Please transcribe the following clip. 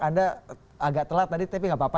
anda agak telat tadi tapi nggak apa apa